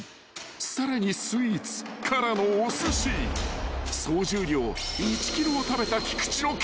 さらにスイーツからのおすし総重量１ｋｇを食べた菊地の結果は］